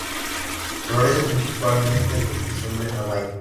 Florece principalmente de diciembre a marzo.